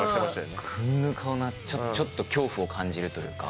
こんな顔にちょっと恐怖を感じるというか。